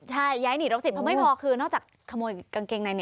ใช่ย้ายหนีรกศิษย์เพราะไม่พอคือนอกจากขโมยกางเกงใน